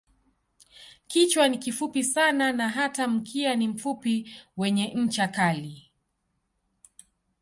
Kichwa ni kifupi sana na hata mkia ni mfupi wenye ncha kali.